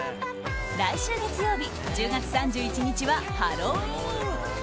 来週月曜日、１０月３１日はハロウィーン。